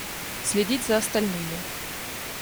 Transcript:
Следить за остальными.